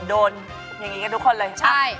โดนอย่างนี้กันทุกคนเลย